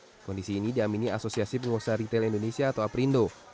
pembangunan ini juga dianggap sebagai kondisi penguasa retail indonesia atau aprindo